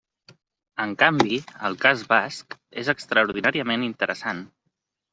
En canvi, el cas basc és extraordinàriament interessant.